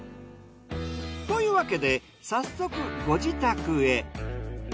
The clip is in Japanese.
というわけで早速ご自宅へ。